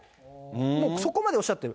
もうそこまでおっしゃってる。